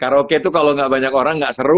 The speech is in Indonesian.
karaoke itu kalau gak banyak orang nggak seru